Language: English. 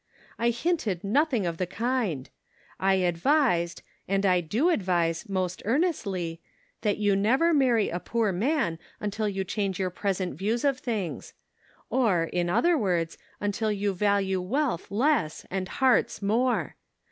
I hinted nothing of the kind. I advised, and do advise most earnestly, that you never marry a poor man until you change your present views of things ; or, in other words, until you value wealth less and hearts more.